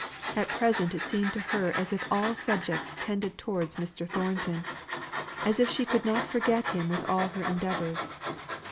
At present it seemed to her as if all subjects tended towards Mr. Thornton; as if she could not forget him with all her endeavours.